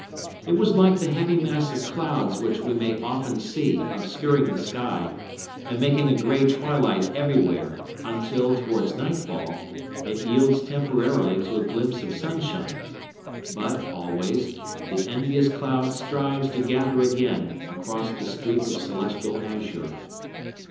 It was like the heavy mass of clouds which we may often see obscuring the sky, and making a gray twilight everywhere, until, towards nightfall, it yields temporarily to a glimpse of sunshine. But, always, the envious cloud strives to gather again across the streak of celestial azure.